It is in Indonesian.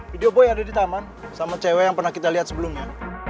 video boy yang ada di taman sama cewek yang pernah kita lihat sebelumnya